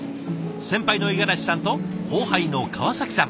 先輩の五十嵐さんと後輩の川さん。